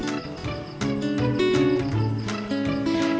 อืม